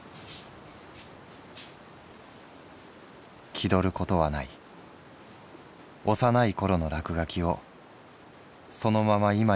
「気取ることはない幼いころの落描きをそのまま今に続けている」。